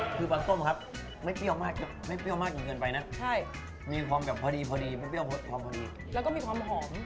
คือปลาส้มครับไม่เปรี้ยวมากไม่เปรี้ยวมากจนเกินไปนะใช่มีความแบบพอดีพอดีมันเปรี้ยวความพอดีแล้วก็มีความหอม